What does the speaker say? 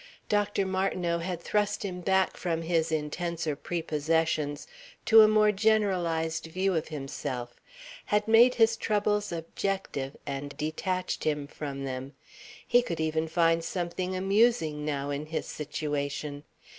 Dr. Martineau had thrust him back from his intenser prepossessions to a more generalized view of himself, had made his troubles objective and detached him from them. He could even find something amusing now in his situation.